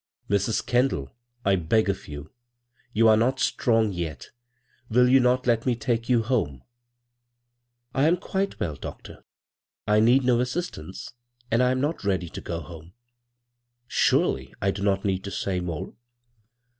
" Mrs. Kendall, I beg of you — ^you are not strong yet — will you not let me take you home ?"" I am quite well, doctor. I need no as sistance, and I am not ready to go home. Surdy I do not need to say more